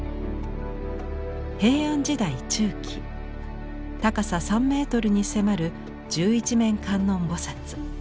平安時代中期高さ３メートルに迫る十一面観音菩。